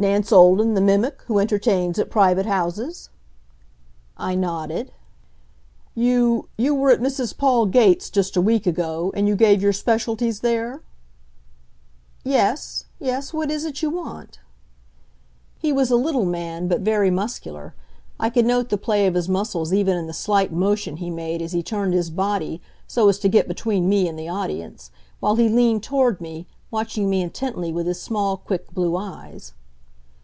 "Nance Olden, the mimic, who entertains at private houses?" I nodded. "You you were at Mrs. Paul Gates' just a week ago, and you gave your specialties there?" "Yes yes, what is it you want?" He was a little man, but very muscular. I could note the play of his muscles even in the slight motion he made as he turned his body so as to get between me and the audience, while he leaned toward me, watching me intently with his small, quick, blue eyes.